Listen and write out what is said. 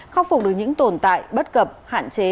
khắc phục được những tồn tại bất cập hạn chế